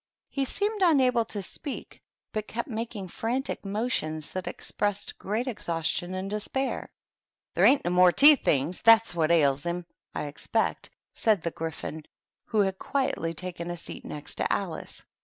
He seemed unable to speak, but kept making frantic motions that expressed great exhaustion and despair. " There ain't no more tea things. That's what 66 THE TEA TABLE. ails hiniy I expect," said the Gryphon, who had quietly taken a seat next to Alice.